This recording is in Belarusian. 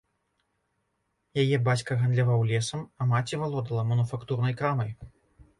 Яе бацька гандляваў лесам, а маці валодала мануфактурнай крамай.